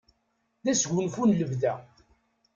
D asgunfu n lebda.